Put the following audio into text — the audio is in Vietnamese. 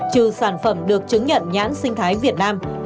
trừ sản phẩm được chứng nhận nhãn sinh thái việt nam